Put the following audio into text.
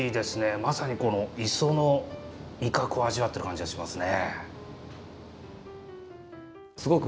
まさにこの磯の味覚を味わってる感じがしますね。